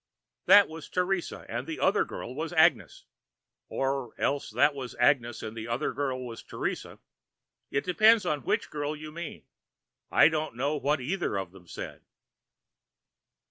"That was Teresa, and the other girl was Agnes. Or else that was Agnes and the other girl was Teresa. It depends on which girl you mean. I don't know what either of them said."